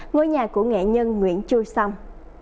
ngôi nhà của nghệ nhân nguyễn chu sông